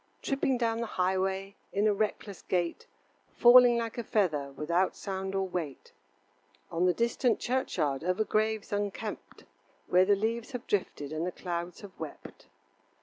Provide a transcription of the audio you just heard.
Tripping down the highway In a reckless gait, Falling like a feather Without sound or weight. On the distant churchyard Over graves unkept, Where the leaves have drifted And the clouds have wept.